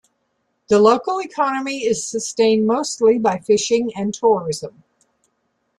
The local economy is sustained mostly by fishing and tourism.